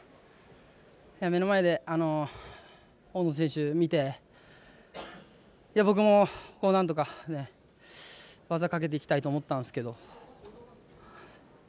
目の前で大野選手、見て僕もなんとか技かけていきたいと思ったんですけど。